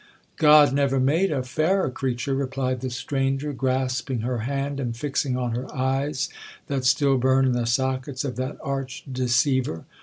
'God never made a fairer creature,' replied the stranger, grasping her hand, and fixing on her eyes that still burn in the sockets of that arch deceiver.